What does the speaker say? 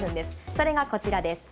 それがこちらです。